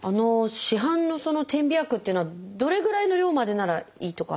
市販の点鼻薬っていうのはどれぐらいの量までならいいとかあるんですか？